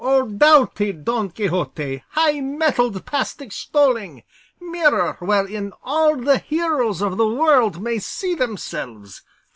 "O doughty Don Quixote! high mettled past extolling! Mirror, wherein all the heroes of the world may see themselves!